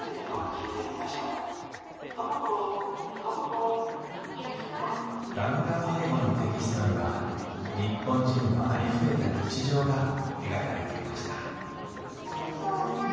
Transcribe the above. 「Ｙｅｓ，Ｄａｄ．」「カムカム英語」のテキストには日本人のありふれた日常が描かれていましたお父さん。